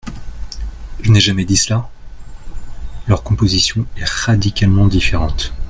Je n’ai jamais dit cela ! Leur composition est radicalement différente.